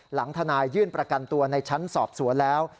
ทนายยื่นประกันตัวในชั้นสอบสวนแล้ว